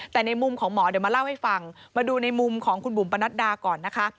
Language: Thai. แต่ในมุมของหมอเดี๋ยวมาเล่าให้ฟังมาดูในมุมของคุณบุ๋มปนัดดาก่อนนะคะ